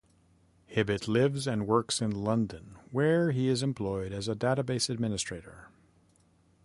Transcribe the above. Hibbett lives and works in London, where he is employed as a database administrator.